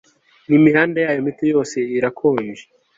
n'imihanda yayo mito yose irakonje